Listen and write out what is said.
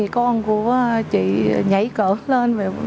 hai mươi con của chị nhảy cỡ lên